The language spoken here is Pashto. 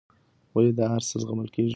ولې دا هرڅه زغمل کېږي.